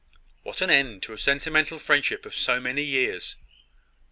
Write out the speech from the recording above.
"What an end to a sentimental friendship of so many years!"